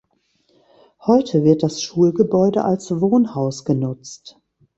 Heute wird das Schulgebäude als Wohnhaus genutzt.